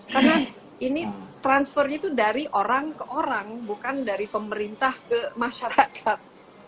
karena ini transfernya itu dari orang ke orang bukan dari pemerintah ke masyarakat